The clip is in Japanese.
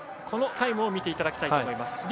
このタイムを見ていただきたいと思います。